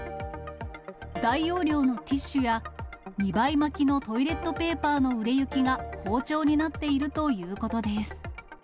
大容量のティッシュや、２倍巻きのトイレットペーパーの売れ行きが好調になっているということです。